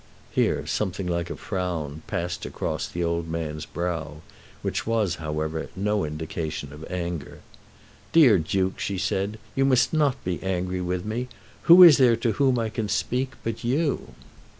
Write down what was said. Here something like a frown passed across the old man's brow, which was, however, no indication, of anger. "Dear Duke," she said, "you must not be angry with me. Who is there to whom I can speak but you?"